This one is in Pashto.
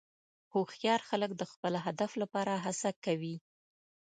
هوښیار خلک د خپل هدف لپاره هڅه کوي.